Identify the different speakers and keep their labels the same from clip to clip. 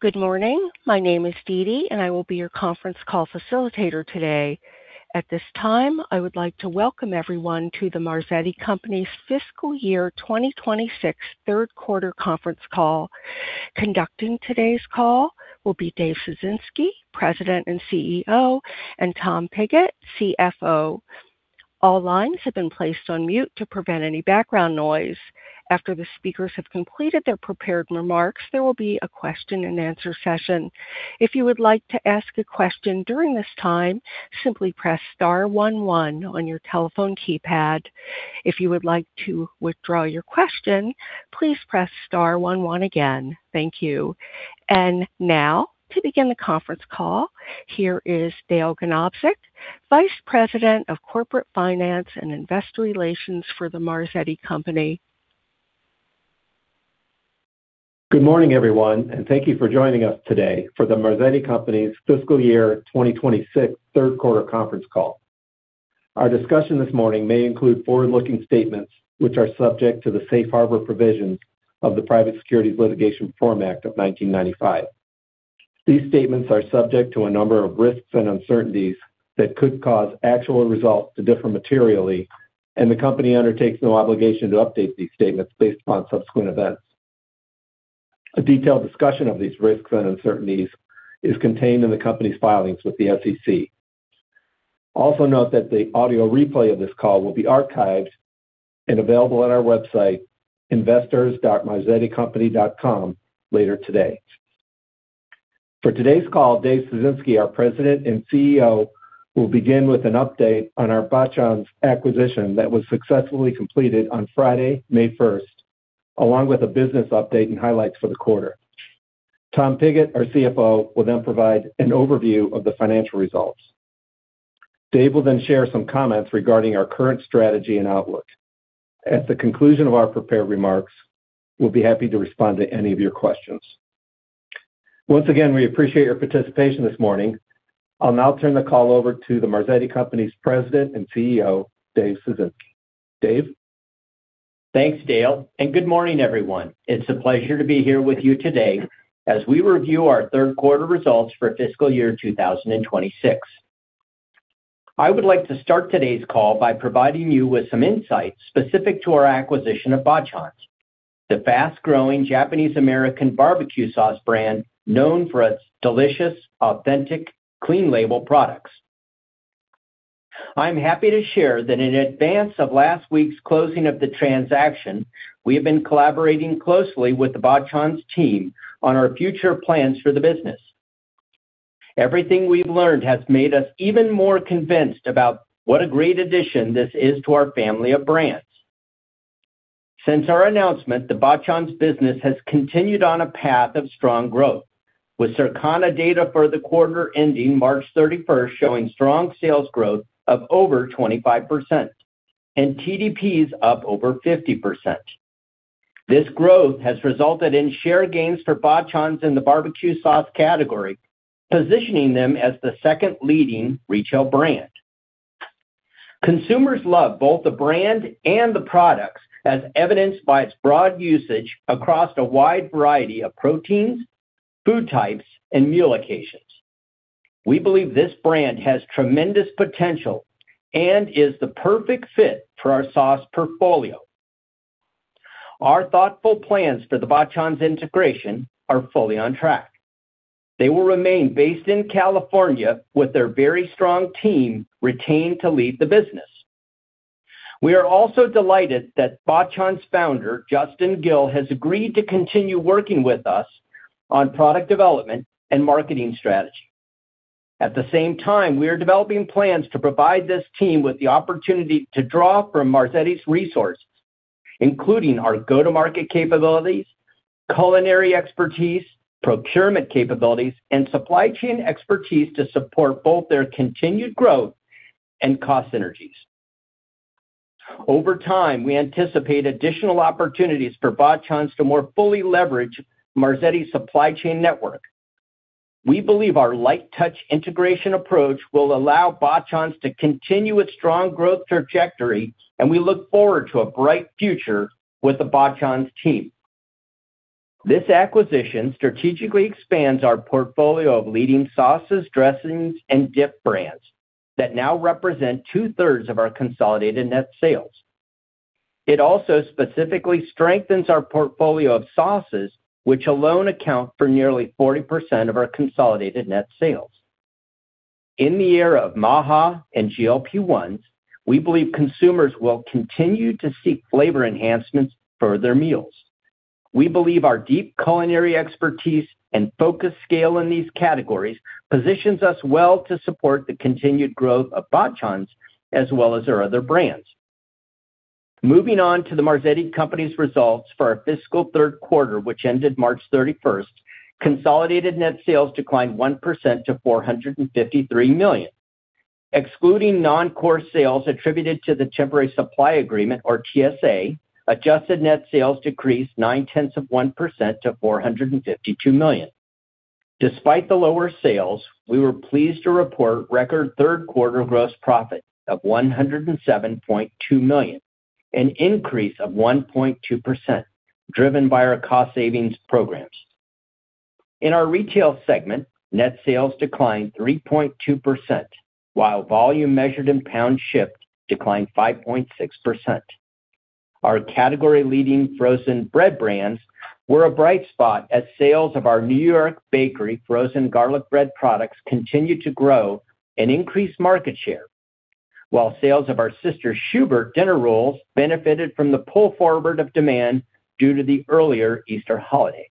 Speaker 1: Good morning. My name is Deedee, I will be your conference call facilitator today. At this time, I would like to welcome everyone to The Marzetti Company's fiscal year 2026 third quarter conference call. Conducting today's call will be Dave Ciesinski, President and CEO, and Tom Pigott, CFO. All lines have been placed on mute to prevent any background noise. After the speakers have completed their prepared remarks, there will be a question-and-answer session. If you would like to ask a question during this time, simply press star one one on your telephone keypad. If you would like to withdraw your question, please press star one one again. Thank you. To begin the conference call, here is Dale Ganobsik, Vice President of Corporate Finance and Investor Relations for The Marzetti Company.
Speaker 2: Good morning, everyone. Thank you for joining us today for The Marzetti Company's fiscal year 2026 third quarter conference call. Our discussion this morning may include forward-looking statements which are subject to the safe harbor provisions of the Private Securities Litigation Reform Act of 1995. These statements are subject to a number of risks and uncertainties that could cause actual results to differ materially, and the company undertakes no obligation to update these statements based upon subsequent events. A detailed discussion of these risks and uncertainties is contained in the company's filings with the SEC. Also note that the audio replay of this call will be archived and available on our website, investors.marzetticompany.com later today. For today's call, Dave Ciesinski, our President and CEO, will begin with an update on our Bachan's acquisition that was successfully completed on Friday, May 1st, along with a business update and highlights for the quarter. Tom Pigott, our CFO, will then provide an overview of the financial results. Dave will then share some comments regarding our current strategy and outlook. At the conclusion of our prepared remarks, we'll be happy to respond to any of your questions. Once again, we appreciate your participation this morning. I'll now turn the call over to The Marzetti Company's President and CEO, Dave Ciesinski. Dave?
Speaker 3: Thanks, Dale, and good morning, everyone. It's a pleasure to be here with you today as we review our third quarter results for fiscal year 2026. I would like to start today's call by providing you with some insights specific to our acquisition of Bachan's, the fast-growing Japanese-American barbecue sauce brand known for its delicious, authentic, clean label products. I'm happy to share that in advance of last week's closing of the transaction, we have been collaborating closely with the Bachan's team on our future plans for the business. Everything we've learned has made us even more convinced about what a great addition this is to our family of brands. Since our announcement, the Bachan's business has continued on a path of strong growth, with Circana data for the quarter ending March 31st showing strong sales growth of over 25% and TDPs up over 50%. This growth has resulted in share gains for Bachan's in the barbecue sauce category, positioning them as the second leading retail brand. Consumers love both the brand and the products, as evidenced by its broad usage across a wide variety of proteins, food types, and meal occasions. We believe this brand has tremendous potential and is the perfect fit for our sauce portfolio. Our thoughtful plans for the Bachan's integration are fully on track. They will remain based in California with their very strong team retained to lead the business. We are also delighted that Bachan's founder, Justin Gill, has agreed to continue working with us on product development and marketing strategy. At the same time, we are developing plans to provide this team with the opportunity to draw from Marzetti's resources, including our go-to-market capabilities, culinary expertise, procurement capabilities, and supply chain expertise to support both their continued growth and cost synergies. Over time, we anticipate additional opportunities for Bachan's to more fully leverage Marzetti's supply chain network. We believe our light touch integration approach will allow Bachan's to continue its strong growth trajectory, and we look forward to a bright future with the Bachan's team. This acquisition strategically expands our portfolio of leading sauces, dressings, and dip brands that now represent 2/3 of our consolidated net sales. It also specifically strengthens our portfolio of sauces, which alone account for nearly 40% of our consolidated net sales. In the era of MAHA and GLP-1s, we believe consumers will continue to seek flavor enhancements for their meals. We believe our deep culinary expertise and focus scale in these categories positions us well to support the continued growth of Bachan's, as well as our other brands. Moving on to The Marzetti Company's results for our fiscal third quarter, which ended March 31st, consolidated net sales declined 1% to $453 million. Excluding non-core sales attributed to the temporary supply agreement or TSA, adjusted net sales decreased 0.9% to $452 million. Despite the lower sales, we were pleased to report record third quarter gross profit of $107.2 million. An increase of 1.2%, driven by our cost savings programs. In our retail segment, net sales declined 3.2%, while volume measured in pounds shipped declined 5.6%. Our category leading frozen bread brands were a bright spot as sales of our New York Bakery frozen garlic bread products continued to grow and increase market share. While sales of our Sister Schubert's dinner rolls benefited from the pull forward of demand due to the earlier Easter holiday.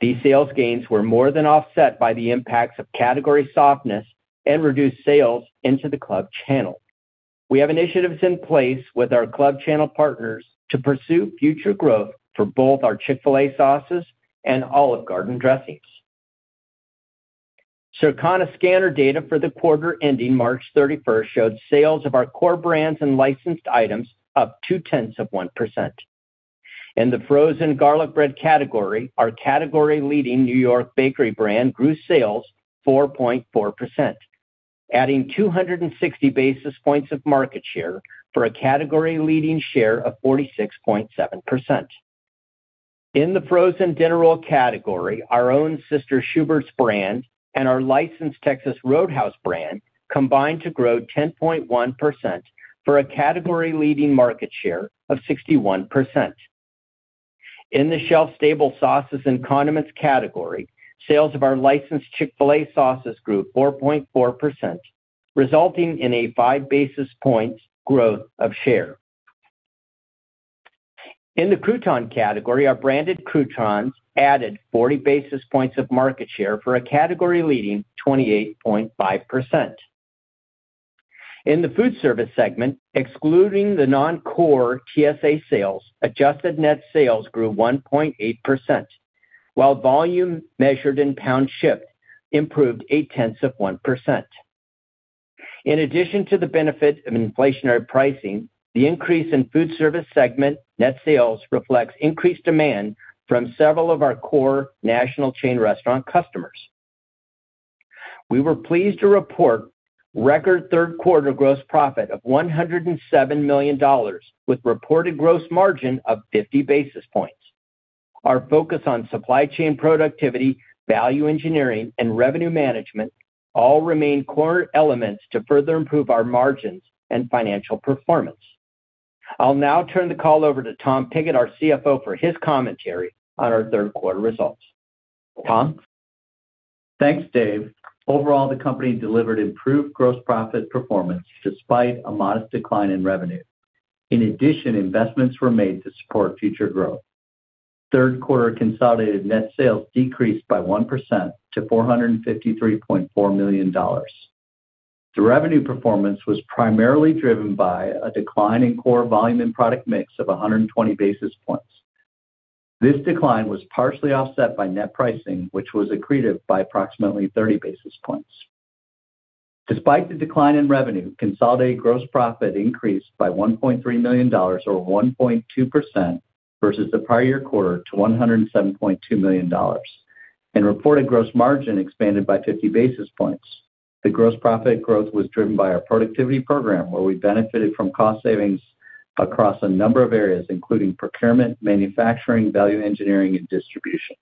Speaker 3: These sales gains were more than offset by the impacts of category softness and reduced sales into the club channel. We have initiatives in place with our club channel partners to pursue future growth for both our Chick-fil-A sauces and Olive Garden dressings. Circana scanner data for the quarter ending March 31st showed sales of our core brands and licensed items up 0.2%. In the frozen garlic bread category, our category leading New York Bakery brand grew sales 4.4%, adding 260 basis points of market share for a category leading share of 46.7%. In the frozen dinner roll category, our own Sister Schubert's brand and our licensed Texas Roadhouse brand combined to grow 10.1% for a category leading market share of 61%. In the shelf stable sauces and condiments category, sales of our licensed Chick-fil-A sauces grew 4.4%, resulting in a 5 basis points growth of share. In the crouton category, our branded croutons added 40 basis points of market share for a category leading 28.5%. In the food service segment, excluding the non-core TSA sales, adjusted net sales grew 1.8%, while volume measured in pounds shipped improved 0.1%. In addition to the benefit of inflationary pricing, the increase in food service segment net sales reflects increased demand from several of our core national chain restaurant customers. We were pleased to report record third quarter gross profit of $107 million with reported gross margin of 50 basis points. Our focus on supply chain productivity, value engineering and revenue management all remain core elements to further improve our margins and financial performance. I'll now turn the call over to Tom Pigott, our CFO, for his commentary on our third quarter results. Tom?
Speaker 4: Thanks, Dave. Overall, the company delivered improved gross profit performance despite a modest decline in revenue. In addition, investments were made to support future growth. Third quarter consolidated net sales decreased by 1% to $453.4 million. The revenue performance was primarily driven by a decline in core volume and product mix of 120 basis points. This decline was partially offset by net pricing, which was accretive by approximately 30 basis points. Despite the decline in revenue, consolidated gross profit increased by $1.3 million or 1.2% versus the prior year quarter to $107.2 million, and reported gross margin expanded by 50 basis points. The gross profit growth was driven by our productivity program, where we benefited from cost savings across a number of areas including procurement, manufacturing, value engineering and distribution.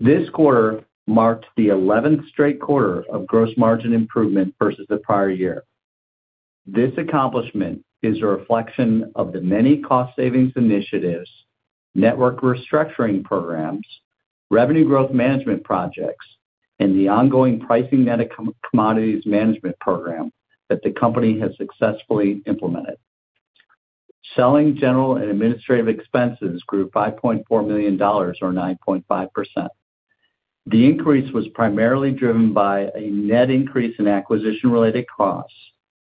Speaker 4: This quarter marked the 11th straight quarter of gross margin improvement versus the prior year. This accomplishment is a reflection of the many cost savings initiatives, network restructuring programs, revenue growth management projects, and the ongoing pricing net of commodities management program that the company has successfully implemented. Selling, general and administrative expenses grew $5.4 million or 9.5%. The increase was primarily driven by a net increase in acquisition related costs,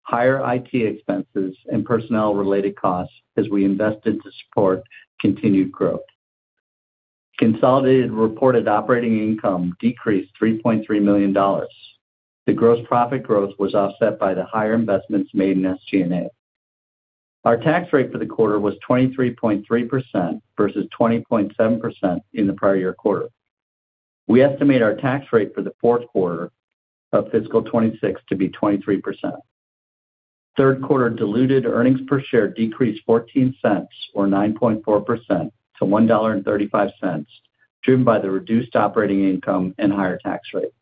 Speaker 4: higher IT expenses and personnel related costs as we invested to support continued growth. Consolidated reported operating income decreased $3.3 million. The gross profit growth was offset by the higher investments made in SG&A. Our tax rate for the quarter was 23.3% versus 20.7% in the prior year quarter. We estimate our tax rate for the fourth quarter of fiscal 2026 to be 23%. Third quarter diluted earnings per share decreased $0.14 or 9.4% to $1.35, driven by the reduced operating income and higher tax rate.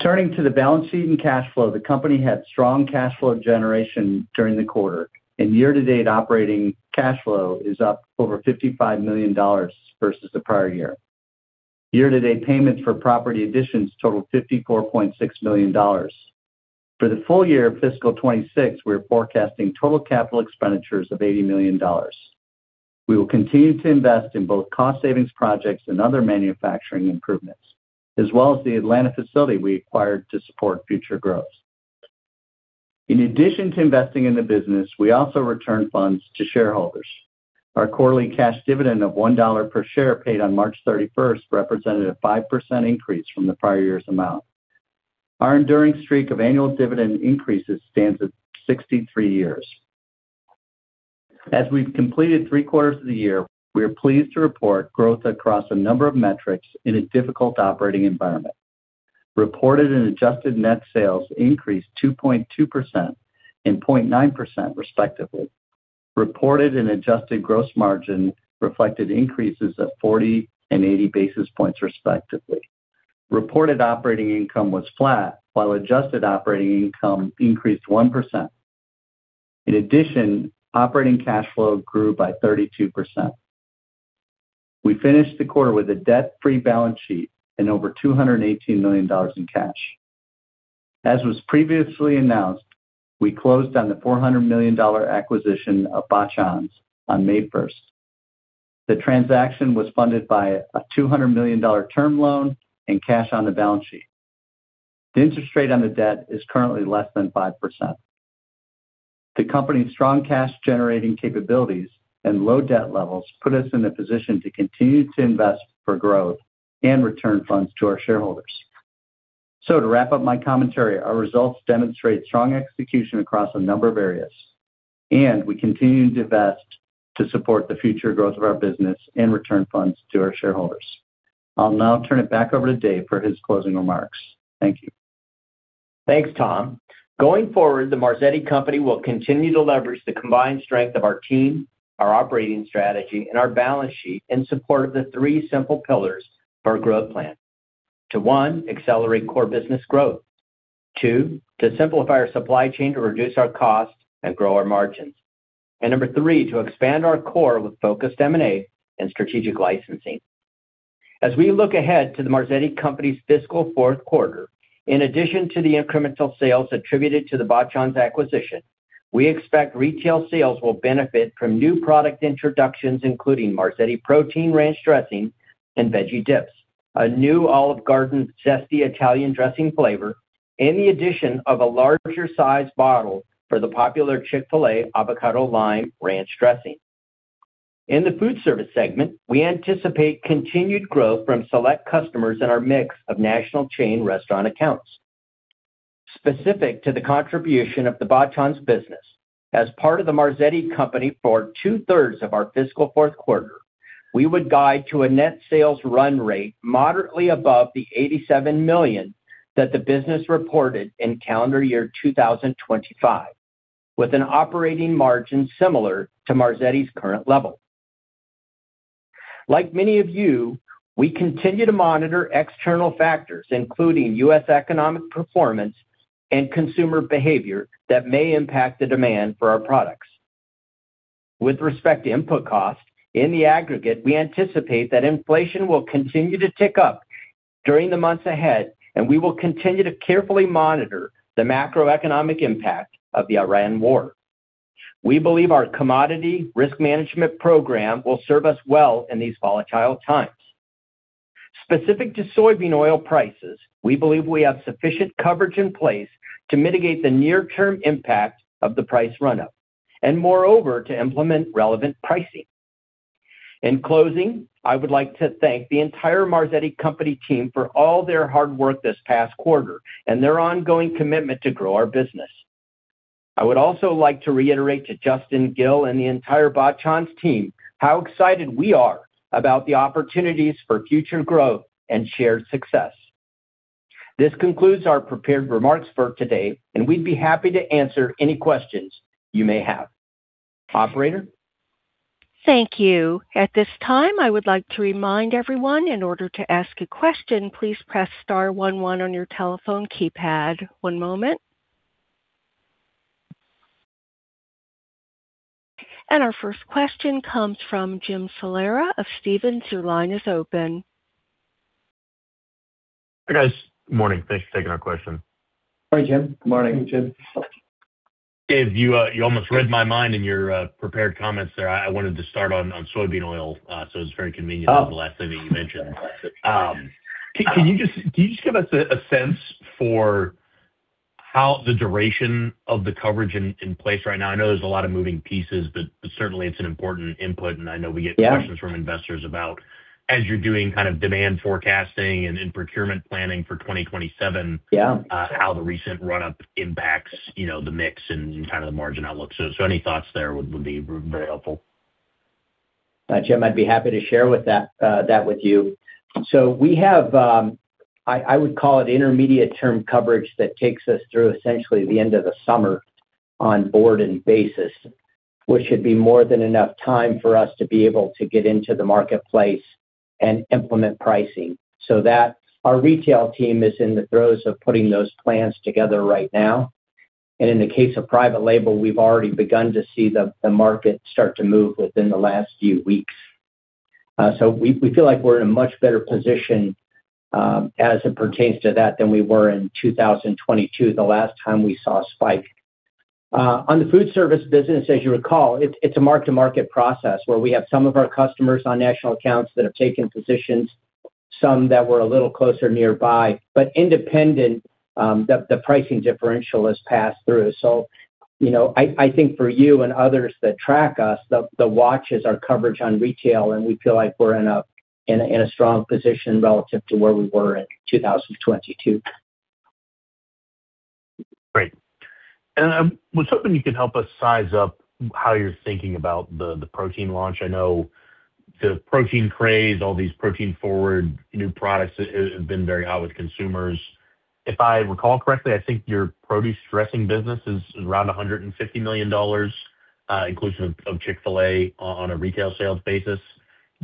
Speaker 4: Turning to the balance sheet and cash flow, the company had strong cash flow generation during the quarter, and year-to-date operating cash flow is up over $55 million versus the prior year. Year-to-date payments for property additions totaled $54.6 million. For the full year of fiscal 2026, we are forecasting total capital expenditures of $80 million. We will continue to invest in both cost savings projects and other manufacturing improvements, as well as the Atlanta facility we acquired to support future growth. In addition to investing in the business, we also returned funds to shareholders. Our quarterly cash dividend of $1 per share paid on March 31st represented a 5% increase from the prior year's amount. Our enduring streak of annual dividend increases stands at 63 years. As we've completed three quarters of the year, we are pleased to report growth across a number of metrics in a difficult operating environment. Reported and adjusted net sales increased 2.2% and 0.9% respectively. Reported and adjusted gross margin reflected increases of 40 and 80 basis points respectively. Reported operating income was flat, while adjusted operating income increased 1%. In addition, operating cash flow grew by 32%. We finished the quarter with a debt-free balance sheet and over $218 million in cash. As was previously announced, we closed on the $400 million acquisition of Bachan's on May 1st. The transaction was funded by a $200 million term loan and cash on the balance sheet. The interest rate on the debt is currently less than 5%. The company's strong cash generating capabilities and low debt levels put us in a position to continue to invest for growth and return funds to our shareholders. To wrap up my commentary, our results demonstrate strong execution across a number of areas, and we continue to invest to support the future growth of our business and return funds to our shareholders. I'll now turn it back over to Dave for his closing remarks. Thank you.
Speaker 3: Thanks, Tom. Going forward, The Marzetti Company will continue to leverage the combined strength of our team, our operating strategy, and our balance sheet in support of the three simple pillars of our growth plan. One, accelerate core business growth. Two, to simplify our supply chain to reduce our costs and grow our margins. And number three, to expand our core with focused M&A and strategic licensing. As we look ahead to The Marzetti Company's fiscal fourth quarter, in addition to the incremental sales attributed to the Bachan's acquisition, we expect retail sales will benefit from new product introductions, including Marzetti Protein Ranch dressing and veggie dips, a new Olive Garden Zesty Italian Dressing flavor, and the addition of a larger size bottle for the popular Chick-fil-A Avocado Lime Ranch Dressing. In the food service segment, we anticipate continued growth from select customers in our mix of national chain restaurant accounts. Specific to the contribution of the Bachan's business, as part of The Marzetti Company for 2/3 of our fiscal fourth quarter, we would guide to a net sales run rate moderately above the $87 million that the business reported in calendar year 2025, with an operating margin similar to Marzetti's current level. Like many of you, we continue to monitor external factors, including U.S. economic performance and consumer behavior that may impact the demand for our products. With respect to input costs, in the aggregate, we anticipate that inflation will continue to tick up during the months ahead, and we will continue to carefully monitor the macroeconomic impact of the Iran war. We believe our commodity risk management program will serve us well in these volatile times. Specific to soybean oil prices, we believe we have sufficient coverage in place to mitigate the near-term impact of the price run-up and moreover, to implement relevant pricing. In closing, I would like to thank the entire Marzetti Company team for all their hard work this past quarter and their ongoing commitment to grow our business. I would also like to reiterate to Justin Gill and the entire Bachan's team how excited we are about the opportunities for future growth and shared success. This concludes our prepared remarks for today, and we'd be happy to answer any questions you may have. Operator?
Speaker 1: Thank you. At this time, I would like to remind everyone in order to ask a question, please press star one one on your telephone keypad. One moment. Our first question comes from Jim Salera of Stephens. Your line is open.
Speaker 5: Hi, guys. Morning. Thanks for taking our question.
Speaker 3: Morning, Jim.
Speaker 4: Morning, Jim.
Speaker 5: Dave, you almost read my mind in your prepared comments there. I wanted to start on soybean oil. It's very convenient that was the last thing that you mentioned. Can you just give us a sense for how the duration of the coverage in place right now? I know there's a lot of moving pieces, but certainly it's an important input, and I know we get questions from investors about as you're doing kind of demand forecasting and procurement planning for 2027.
Speaker 3: Yeah.
Speaker 5: How the recent run-up impacts, you know, the mix and kind of the margin outlook? Any thoughts there would be very helpful.
Speaker 3: Jim, I'd be happy to share that with you. We have, I would call it intermediate-term coverage that takes us through essentially the end of the summer on board and basis, which should be more than enough time for us to be able to get into the marketplace and implement pricing. Our retail team is in the throes of putting those plans together right now. In the case of private label, we've already begun to see the market start to move within the last few weeks. We feel like we're in a much better position as it pertains to that than we were in 2022, the last time we saw a spike. On the food service business, as you recall, it's a mark-to-market process where we have some of our customers on national accounts that have taken positions, some that were a little closer nearby, but independent, the pricing differential is passed through. You know, I think for you and others that track us, the watch is our coverage on retail, and we feel like we're in a strong position relative to where we were in 2022.
Speaker 5: Great. I was hoping you can help us size up how you're thinking about the protein launch. I know the protein craze, all these protein-forward new products have been very hot with consumers. If I recall correctly, I think your produce dressing business is around $150 million, inclusive of Chick-fil-A on a retail sales basis.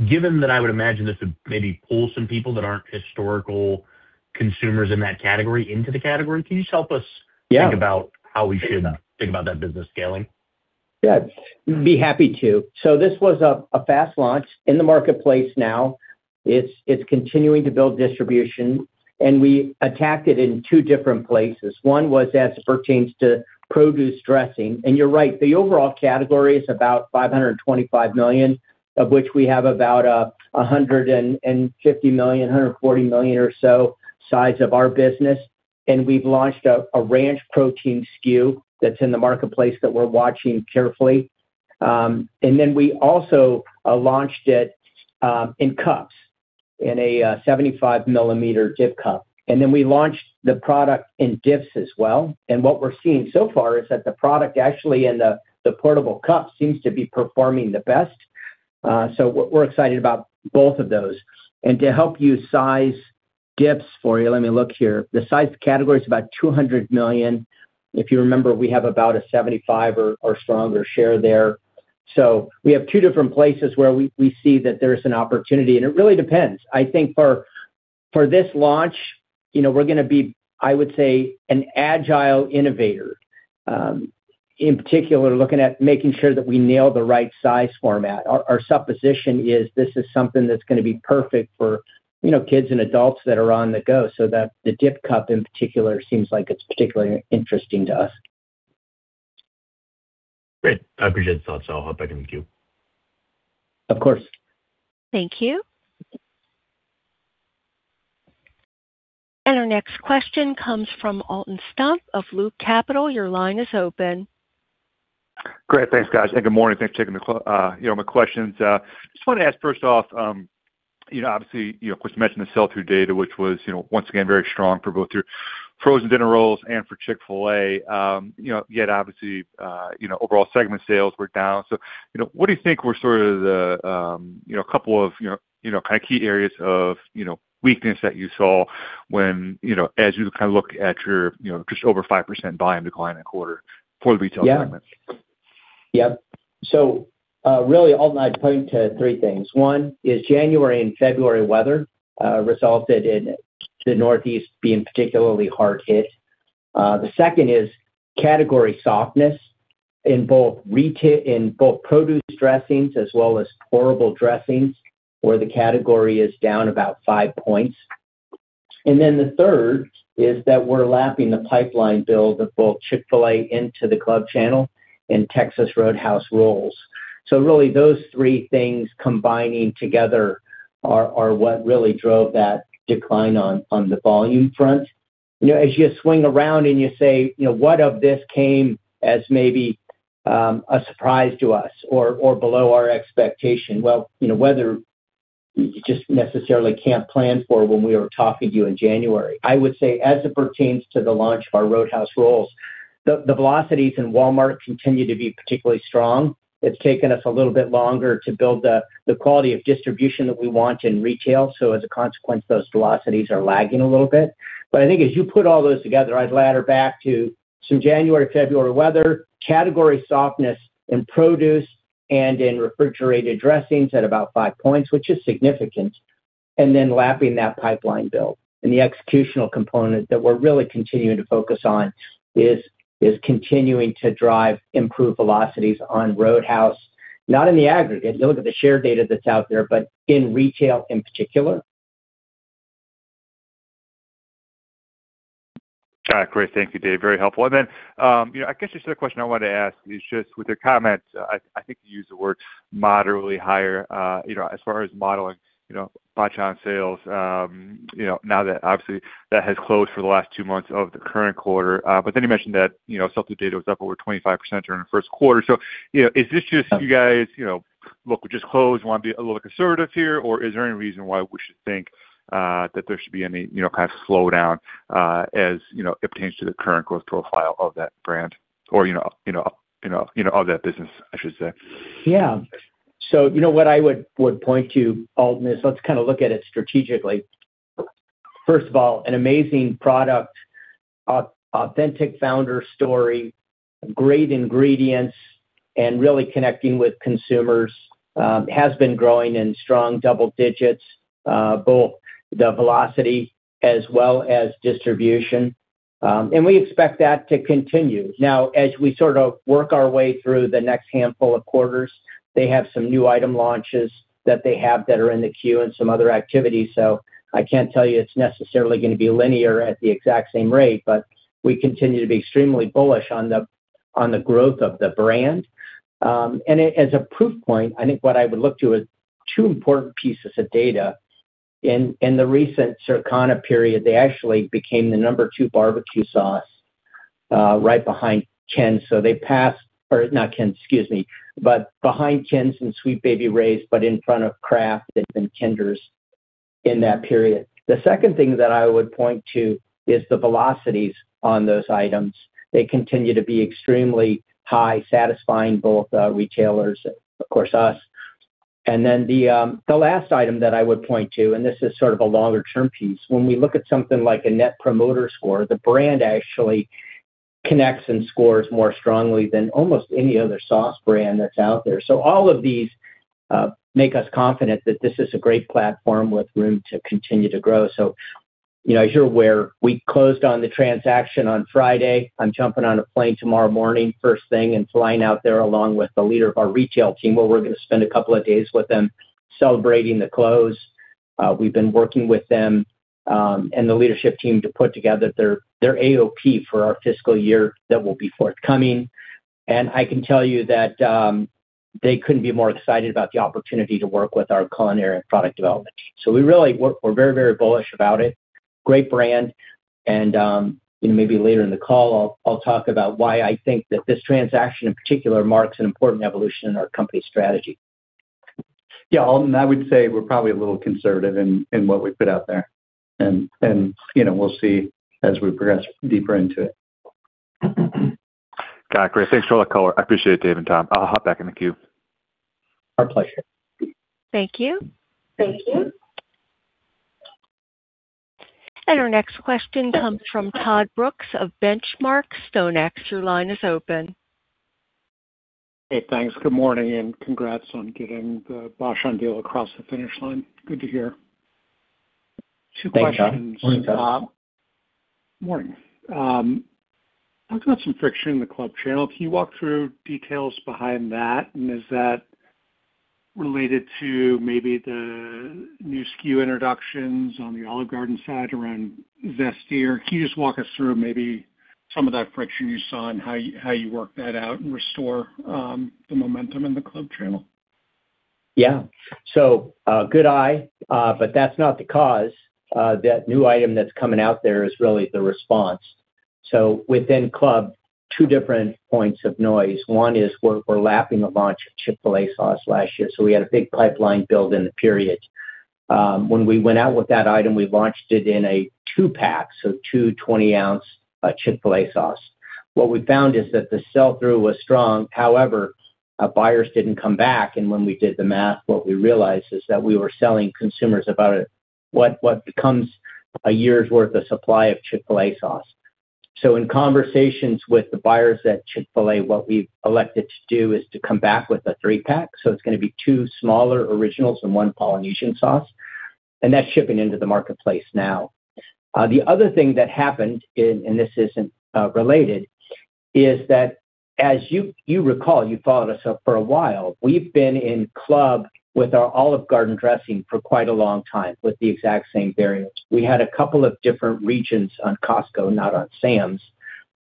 Speaker 5: Given that I would imagine this would maybe pull some people that aren't historical consumers in that category into the category, can you just help us think about how we should think about that business scaling?
Speaker 3: Yeah, be happy to. This was a fast launch in the marketplace now. It's continuing to build distribution, we attacked it in two different places. One was as pertains to produce dressing. You're right, the overall category is about $525 million, of which we have about $150 million, $140 million or so size of our business. We've launched a Ranch protein SKU that's in the marketplace that we're watching carefully. We also launched it in cups, in a 75 mm dip cup. We launched the product in dips as well. What we're seeing so far is that the product actually in the portable cup seems to be performing the best. We're excited about both of those. To help you size dips for you, let me look here. The size category is about $200 million. If you remember, we have about a 75% or stronger share there. We have two different places where we see that there's an opportunity, and it really depends. I think for this launch, you know, we're gonna be, I would say, an agile innovator, in particular, looking at making sure that we nail the right size format. Our supposition is this is something that's gonna be perfect for, you know, kids and adults that are on the go, so that the dip cup, in particular, seems like it's particularly interesting to us.
Speaker 5: Great, I appreciate the thoughts. I'll hop back in the queue.
Speaker 3: Of course.
Speaker 1: Thank you. Our next question comes from Alton Stump of Loop Capital.
Speaker 6: Great. Thanks, guys. Good morning, thanks for taking my questions. Just wanted to ask first off, you know, obviously, you know, of course, you mentioned the sell-through data, which was, you know, once again, very strong for both your frozen dinner rolls and for Chick-fil-A. You know, yet obviously, you know, overall segment sales were down. What do you think were sort of the, you know, couple of, you know, you know, kind of key areas of, you know, weakness that you saw when, you know, as you kind of look at your, you know, just over 5% volume decline in the quarter for the retail segment?
Speaker 3: Yeah. Yep. Really, Alton, I'd point to three things. One is January and February weather resulted in the Northeast being particularly hard hit. The second is category softness in both produce dressings as well as pourable dressings, where the category is down about 5 points. The third is that we're lapping the pipeline build of both Chick-fil-A into the club channel and Texas Roadhouse rolls. Really, those three things combining together are what really drove that decline on the volume front. You know, as you swing around and you say, you know, what of this came as maybe a surprise to us or below our expectation? Well, you know, weather, you just necessarily can't plan for when we were talking to you in January. I would say, as it pertains to the launch of our Roadhouse rolls, the velocities in Walmart continue to be particularly strong. It's taken us a little bit longer to build the quality of distribution that we want in retail. As a consequence, those velocities are lagging a little bit. I think as you put all those together, I'd ladder back to some January, February weather, category softness in produce and in refrigerated dressings at about 5 points, which is significant, and then lapping that pipeline build. The executional component that we're really continuing to focus on is continuing to drive improved velocities on Roadhouse, not in the aggregate, don't look at the share data that's out there, but in retail in particular.
Speaker 6: Got it. Great. Thank you, Dave. Very helpful. I guess just another question I wanted to ask is just with your comments, I think you used the word moderately higher, you know, as far as modeling Bachan's sales, you know, now that obviously that has closed for the last two months of the current quarter. You mentioned that, you know, sell-through data was up over 25% during the first quarter. Is this just you guys, you know, look, we just closed, want to be a little conservative here, or is there any reason why we should think that there should be any, you know, kind of slowdown as, you know, it pertains to the current growth profile of that brand? You know, of that business, I should say.
Speaker 3: Yeah. You know what I would point to, Alton, is let's kinda look at it strategically. First of all, an amazing product, authentic founder story, great ingredients, and really connecting with consumers, has been growing in strong double digits, both the velocity as well as distribution. We expect that to continue. Now, as we sort of work our way through the next handful of quarters, they have some new item launches that they have that are in the queue and some other activities. I can't tell you it's necessarily gonna be linear at the exact same rate, but we continue to be extremely bullish on the growth of the brand. As a proof point, I think what I would look to is two important pieces of data. In the recent Circana period, they actually became the number two barbecue sauce, right behind Ken's. Or not Ken's, excuse me, but behind Ken's and Sweet Baby Ray's, but in front of Kraft and Kinder's in that period. The second thing that I would point to is the velocities on those items. They continue to be extremely high, satisfying both retailers and, of course, us. The last item that I would point to, and this is sort of a longer-term piece, when we look at something like a net promoter score, the brand actually connects and scores more strongly than almost any other sauce brand that's out there. All of these make us confident that this is a great platform with room to continue to grow. You know, as you're aware, we closed on the transaction on Friday. I'm jumping on a plane tomorrow morning first thing and flying out there along with the leader of our retail team, where we're gonna spend a couple of days with them celebrating the close. We've been working with them and the leadership team to put together their AOP for our fiscal year that will be forthcoming. I can tell you that they couldn't be more excited about the opportunity to work with our culinary and product development team. We're very bullish about it. Great brand, you know, maybe later in the call I'll talk about why I think that this transaction, in particular, marks an important evolution in our company strategy.
Speaker 4: Yeah, Alton, I would say we're probably a little conservative in what we put out there and, you know, we'll see as we progress deeper into it.
Speaker 6: Got it, great. Thanks for all that color. I appreciate it, Dave and Tom. I'll hop back in the queue.
Speaker 3: Our pleasure.
Speaker 1: Thank you. Our next question comes from Todd Brooks of the Benchmark StoneX. Your line is open.
Speaker 7: Hey, thanks. Good morning, and congrats on getting the Bachan's deal across the finish line. Good to hear. Two questions.
Speaker 3: Thanks, Todd.
Speaker 4: Morning, Todd.
Speaker 7: Morning. Talked about some friction in the club channel. Can you walk through details behind that? Is that related to maybe the new SKU introductions on the Olive Garden side around Zesty? Can you just walk us through maybe some of that friction you saw and how you worked that out and restore the momentum in the club channel?
Speaker 3: Yeah. Good eye, but that's not the cause. That new item that's coming out there is really the response. Within club, two different points of noise. One is we're lapping the launch of Chick-fil-A sauce last year, so we had a big pipeline build in the period. When we went out with that item, we launched it in a two-pack, so two 20 oz Chick-fil-A sauce. What we found is that the sell-through was strong, however, our buyers didn't come back, and when we did the math, what we realized is that we were selling consumers about what becomes a year's worth of supply of Chick-fil-A sauce. In conversations with the buyers at Chick-fil-A, what we've elected to do is to come back with a 3-pack, so it's gonna be two smaller originals and one Polynesian Sauce, and that's shipping into the marketplace now. The other thing that happened in, and this isn't related, is that as you recall, you've followed us for a while, we've been in club with our Olive Garden dressing for quite a long time with the exact same variance. We had a couple of different regions on Costco, not on Sam's,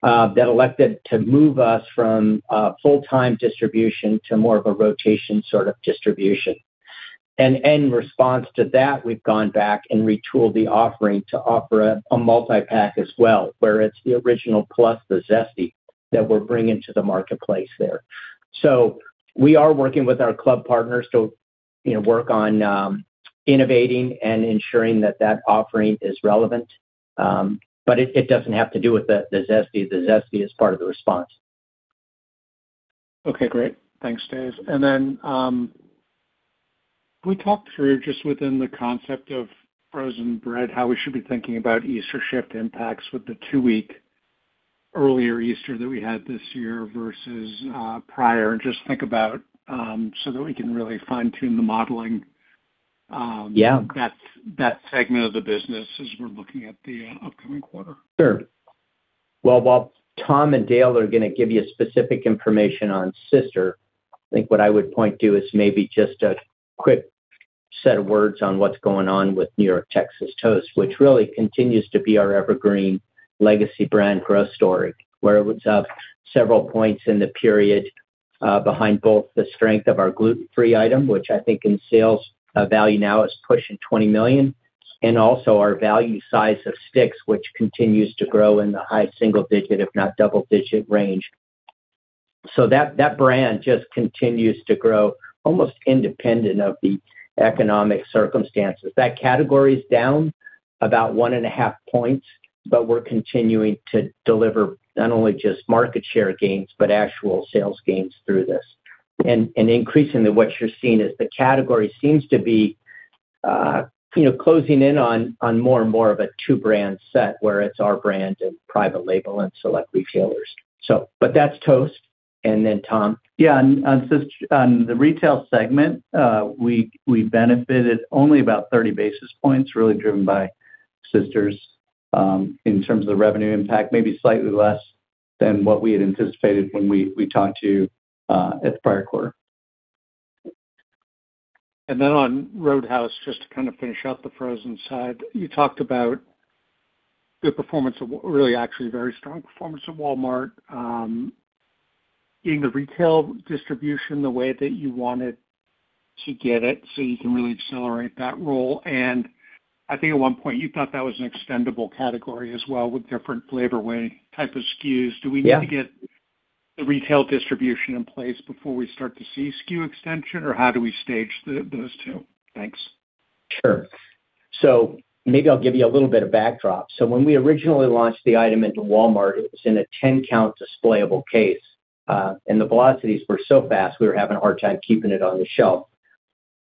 Speaker 3: that elected to move us from full-time distribution to more of a rotation sort of distribution. In response to that, we've gone back and retooled the offering to offer a multi-pack as well, where it's the original plus the Zesty that we're bringing to the marketplace there. We are working with our club partners to, you know, work on, innovating and ensuring that that offering is relevant. It doesn't have to do with the Zesty. The Zesty is part of the response.
Speaker 7: Okay, great. Thanks, Dave. Can we talk through just within the concept of frozen bread, how we should be thinking about Easter shift impacts with the two-week earlier Easter that we had this year versus prior, so that we can really fine-tune the modeling that segment of the business, as we're looking at the upcoming quarter?
Speaker 3: Sure. While Tom and Dale are gonna give you specific information on Sister, I think what I would point to is maybe just a quick set of words on what's going on with New York Texas Toast, which really continues to be our evergreen legacy brand growth story. Where it was up several points in the period, behind both the strength of our gluten-free item, which I think in sales, value now is pushing 20 million, and also our value size of sticks, which continues to grow in the high single-digit, if not double-digit range. That brand just continues to grow almost independent of the economic circumstances. That category is down about 1.5 points, we're continuing to deliver not only just market share gains, but actual sales gains through this. Increasingly, what you're seeing is the category seems to be, you know, closing in on more and more of a two-brand set, where it's our brand and private label and select retailers. That's Toast, Tom?
Speaker 4: Yeah. On the retail segment, we benefited only about 30 basis points really driven by Sisters, in terms of the revenue impact, maybe slightly less than what we had anticipated when we talked to you at the prior quarter.
Speaker 7: On Roadhouse, just to kind of finish out the frozen side, you talked about good performance really actually very strong performance of Walmart, getting the retail distribution the way that you wanted to get it so you can really accelerate that role. I think at one point you thought that was an extendable category as well with different flavor way type of SKUs.
Speaker 3: Yeah.
Speaker 7: Do we need to get the retail distribution in place before we start to see SKU extension? How do we stage those two? Thanks.
Speaker 3: Sure. Maybe I'll give you a little bit of backdrop. When we originally launched the item into Walmart, it was in a 10-count displayable case. The velocities were so fast we were having a hard time keeping it on the shelf.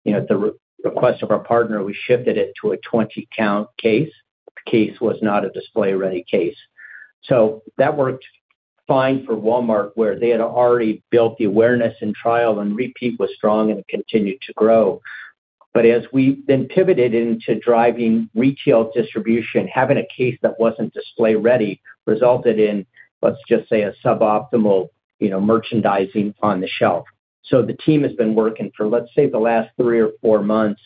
Speaker 3: You know, at the re-request of our partner, we shifted it to a 20-count case. The case was not a display-ready case. That worked fine for Walmart, where they had already built the awareness and trial, and repeat was strong and continued to grow. As we then pivoted into driving retail distribution, having a case that wasn't display ready resulted in, let's just say, a suboptimal, you know, merchandising on the shelf. The team has been working for, let's say, the last three or four months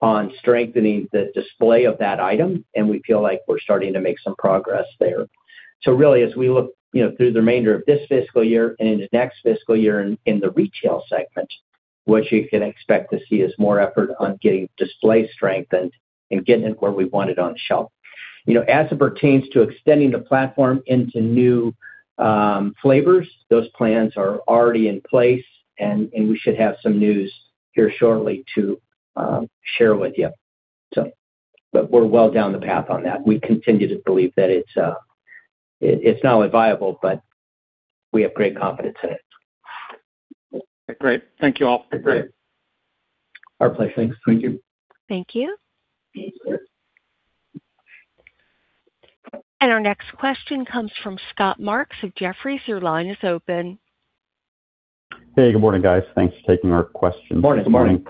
Speaker 3: on strengthening the display of that item, and we feel like we're starting to make some progress there. Really, as we look, you know, through the remainder of this fiscal year and into next fiscal year in the retail segment, what you can expect to see is more effort on getting display strengthened and getting it where we want it on shelf. You know, as it pertains to extending the platform into new flavors, those plans are already in place, and we should have some news here shortly to share with you. We're well down the path on that, we continue to believe that it's not only viable, but we have great confidence in it.
Speaker 7: Great. Thank you all.
Speaker 3: Great. Our pleasure, thanks.
Speaker 7: Thank you.
Speaker 1: Thank you. Our next question comes from Scott Marks of Jefferies. Your line is open.
Speaker 8: Hey, good morning, guys. Thanks for taking our questions.
Speaker 3: Morning.
Speaker 4: Morning.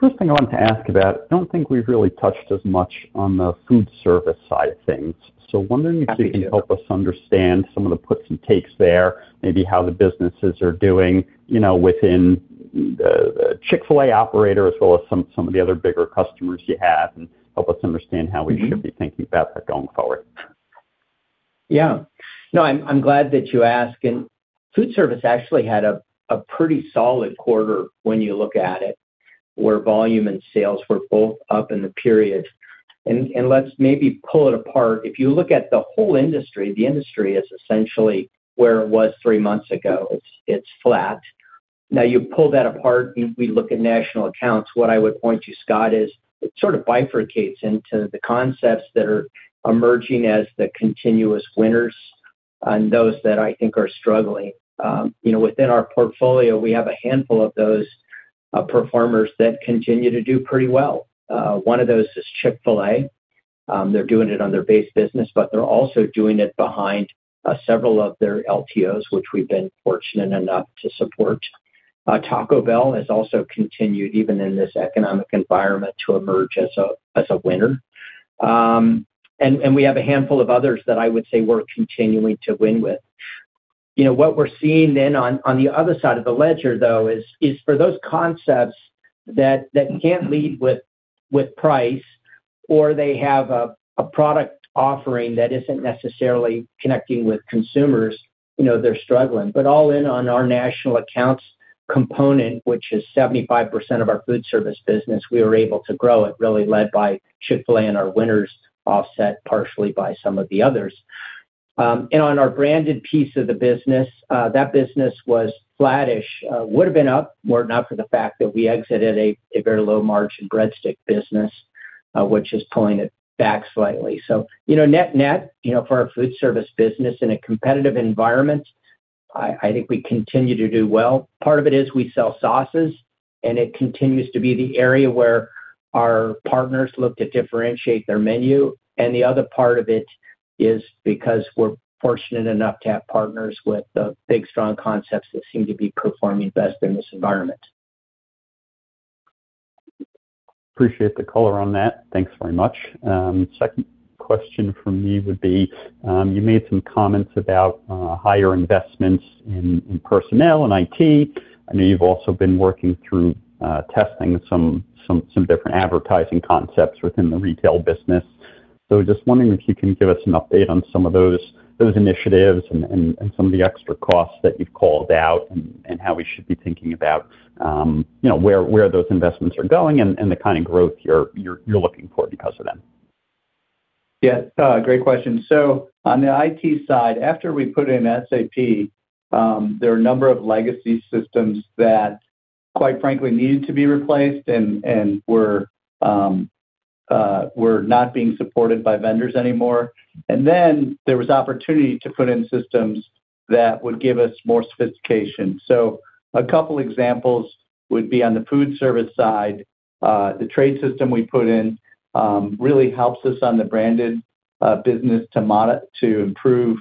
Speaker 8: First thing I wanted to ask about, don't think we've really touched as much on the food service side of things.
Speaker 3: Happy to.
Speaker 8: You can help us understand some of the puts and takes there, maybe how the businesses are doing, you know, within Chick-fil-A operator, as well as some of the other bigger customers you have, and help us understand how we should be thinking about that going forward.
Speaker 3: Yeah. No, I'm glad that you ask. Food service actually had a pretty solid quarter when you look at it, where volume and sales were both up in the period. Let's maybe pull it apart. If you look at the whole industry, the industry is essentially where it was three months ago. It's flat. You pull that apart and we look at national accounts, what I would point to, Scott, is it sort of bifurcates into the concepts that are emerging as the continuous winners and those that I think are struggling. You know, within our portfolio, we have a handful of those performers that continue to do pretty well. One of those is Chick-fil-A. They're doing it on their base business, but they're also doing it behind several of their LTOs, which we've been fortunate enough to support. Taco Bell has also continued, even in this economic environment, to emerge as a winner. We have a handful of others that I would say we're continuing to win with. You know, what we're seeing then on the other side of the ledger, though, is for those concepts that can't lead with price or they have a product offering that isn't necessarily connecting with consumers, you know, they're struggling. All in on our national accounts component, which is 75% of our food service business, we were able to grow it, really led by Chick-fil-A and our winners, offset partially by some of the others. On our branded piece of the business, that business was flattish. Would have been up were it not for the fact that we exited a very low margin breadstick business, which is pulling it back slightly. You know, net-net, you know, for our food service business in a competitive environment, I think we continue to do well. Part of it is we sell sauces, and it continues to be the area where our partners look to differentiate their menu. The other part of it is because we're fortunate enough to have partners with the big, strong concepts that seem to be performing best in this environment.
Speaker 8: Appreciate the color on that, thanks very much. Second question from me would be, you made some comments about higher investments in personnel and IT. I know you've also been working through testing some different advertising concepts within the retail business. Just wondering if you can give us an update on some of those initiatives and some of the extra costs that you've called out and how we should be thinking about, you know, where those investments are going and the kind of growth you're looking for because of them.
Speaker 4: Scott, great question. On the IT side, after we put in SAP, there are a number of legacy systems that, quite frankly, needed to be replaced and were not being supported by vendors anymore. There was opportunity to put in systems that would give us more sophistication. A couple examples would be on the food service side, the trade system we put in really helps us on the branded business to improve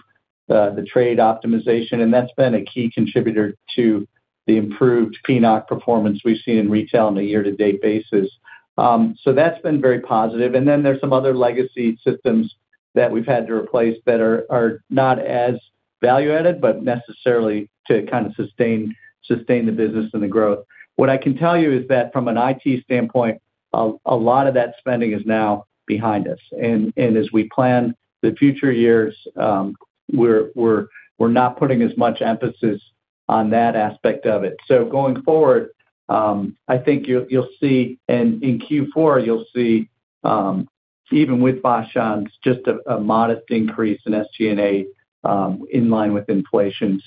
Speaker 4: the trade optimization. That's been a key contributor to the improved P&L performance we've seen in retail on a year-to-date basis. That's been very positive. There's some other legacy systems that we've had to replace that are not as value added, but necessarily to kind of sustain the business and the growth. What I can tell you is that from an IT standpoint, a lot of that spending is now behind us. As we plan the future years, we're not putting as much emphasis on that aspect of it. Going forward, I think you'll see, and in Q4 you'll see, even with Bachan's, just a modest increase in SG&A in line with inflation.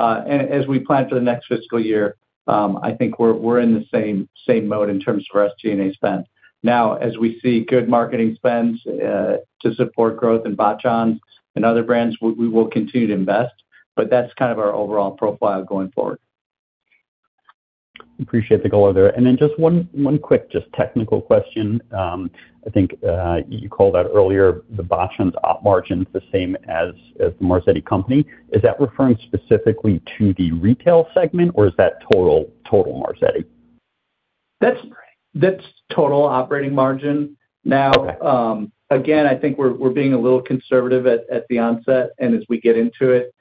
Speaker 4: As we plan for the next fiscal year, I think we're in the same mode in terms for SG&A spend. Now, as we see good marketing spends to support growth in Bachan's and other brands, we will continue to invest, but that's kind of our overall profile going forward.
Speaker 8: Appreciate the color there. Just one quick just technical question. I think you called out earlier the Bachan's op margins the same as The Marzetti Company. Is that referring specifically to the retail segment, or is that total Marzetti?
Speaker 4: That's total operating margin.
Speaker 8: Okay.
Speaker 4: Again, I think we're being a little conservative at the onset and as we get into it.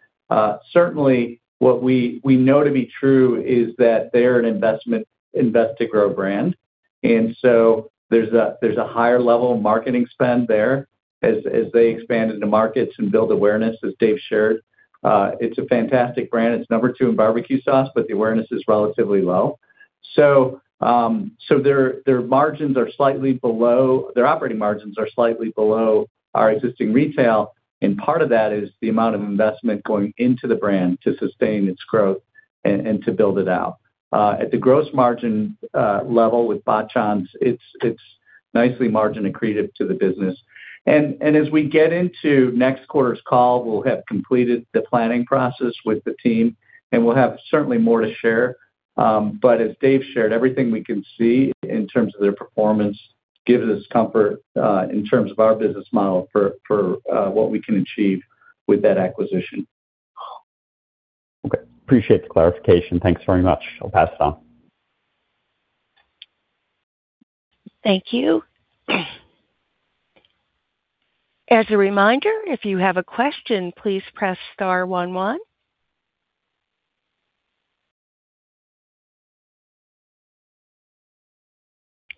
Speaker 4: Certainly what we know to be true is that they're an investment, invest to grow brand. There's a higher level of marketing spend there as they expand into markets and build awareness, as Dave shared. It's a fantastic brand. It's number two in barbecue sauce, but the awareness is relatively low. Their operating margins are slightly below our existing retail, and part of that is the amount of investment going into the brand to sustain its growth and to build it out. At the gross margin level with Bachan's, it's nicely margin accretive to the business. As we get into next quarter's call, we'll have completed the planning process with the team, and we'll have certainly more to share. But as Dave shared, everything we can see in terms of their performance gives us comfort in terms of our business model for what we can achieve with that acquisition.
Speaker 8: Okay. Appreciate the clarification. Thanks very much, I'll pass it on.
Speaker 1: Thank you. As a reminder, if you have a question, please press star one one.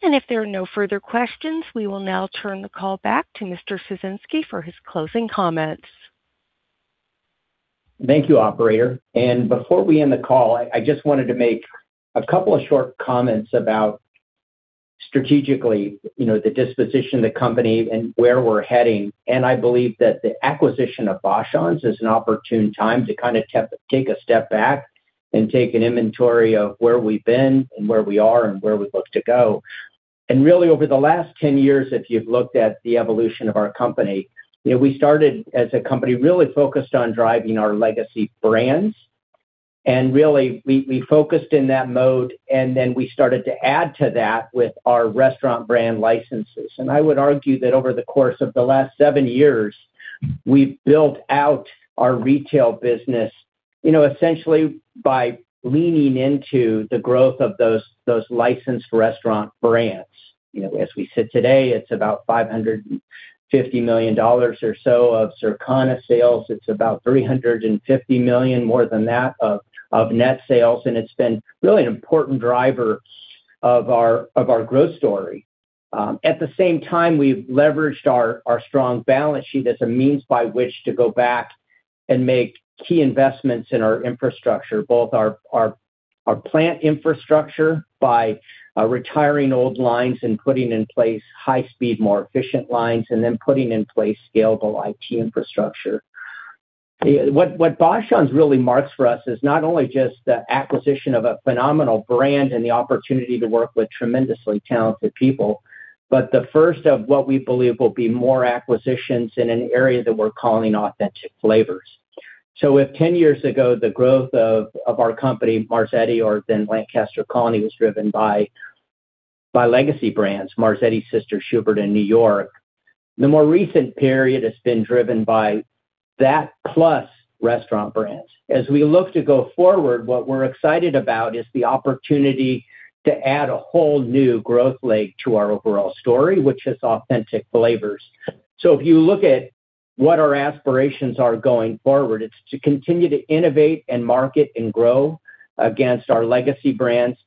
Speaker 1: If there are no further questions, we will now turn the call back to Mr. Ciesinski for his closing comments.
Speaker 3: Thank you, operator. Before we end the call, I just wanted to make a couple of short comments about strategically, you know, the disposition of the company and where we're heading. I believe that the acquisition of Bachan's is an opportune time to kinda take a step back and take an inventory of where we've been and where we are and where we look to go. Really, over the last 10 years, if you've looked at the evolution of our company, you know, we started as a company really focused on driving our legacy brands. Really, we focused in that mode, then we started to add to that with our restaurant brand licenses. I would argue that over the course of the last seven years, we've built out our retail business, you know, essentially by leaning into the growth of those licensed restaurant brands. As we sit today, it's about $550 million or so of Circana sales. It's about $350 million, more than that, of net sales. It's been really an important driver of our growth story. At the same time, we've leveraged our strong balance sheet as a means by which to go back and make key investments in our infrastructure, both our plant infrastructure by retiring old lines and putting in place high-speed, more efficient lines, and then putting in place scalable IT infrastructure. What Bachan's really marks for us is not only just the acquisition of a phenomenal brand and the opportunity to work with tremendously talented people, but the first of what we believe will be more acquisitions in an area that we're calling authentic flavors. If 10 years ago, the growth of our company, Marzetti or then Lancaster Colony, was driven by legacy brands, Marzetti, Sister Schubert's, and New York Bakery, the more recent period has been driven by that plus restaurant brands. As we look to go forward, what we're excited about is the opportunity to add a whole new growth leg to our overall story, which is authentic flavors. If you look at what our aspirations are going forward, it's to continue to innovate and market and grow against our legacy brands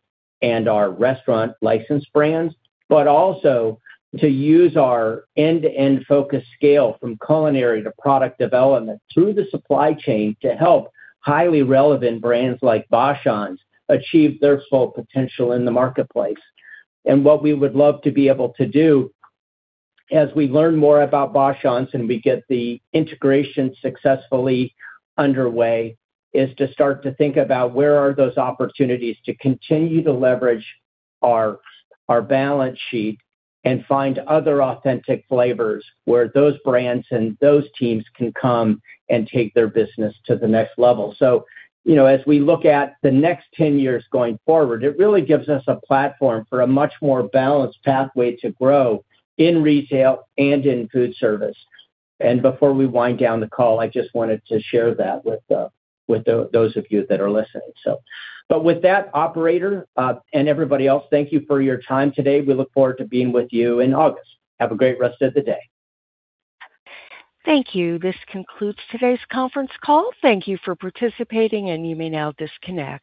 Speaker 3: and our restaurant license brands, but also to use our end-to-end focused scale from culinary to product development through the supply chain to help highly relevant brands like Bachan's achieve their full potential in the marketplace. What we would love to be able to do as we learn more about Bachan's and we get the integration successfully underway, is to start to think about where are those opportunities to continue to leverage our balance sheet and find other authentic flavors where those brands and those teams can come and take their business to the next level. You know, as we look at the next 10 years going forward, it really gives us a platform for a much more balanced pathway to grow in retail and in food service. Before we wind down the call, I just wanted to share that with those of you that are listening, so. With that, operator, and everybody else, thank you for your time today. We look forward to being with you in August. Have a great rest of the day.
Speaker 1: Thank you. This concludes today's conference call. Thank you for participating, and you may now disconnect.